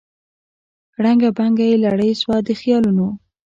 ړنګه بنګه یې لړۍ سوه د خیالونو